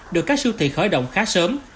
được các siêu thị khởi động khá sớm